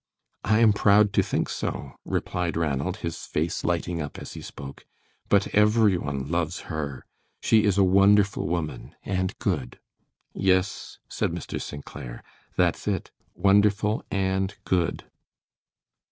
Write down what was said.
"I am proud to think so," replied Ranald, his face lighting up as he spoke; "but every one loves her. She is a wonderful woman, and good." "Yes," said Mr. St. Clair, "that's it; wonderful and good."